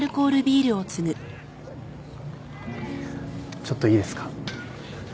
ちょっといいですか？